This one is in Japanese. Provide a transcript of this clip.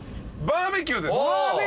バーベキューいいですね。